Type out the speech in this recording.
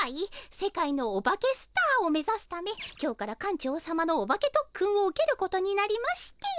世界のオバケスターを目ざすため今日から館長さまのオバケとっくんを受けることになりまして。